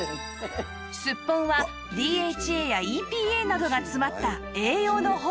すっぽんは ＤＨＡ や ＥＰＡ などが詰まった栄養の宝庫